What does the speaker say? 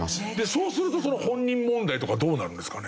そうするとその本人問題とかどうなるんですかね？